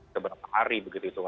seberapa hari begitu